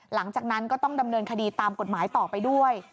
หลังจากนั้นก็ต้องดำเนินคดีตามกฎหมายต่อไปด้วย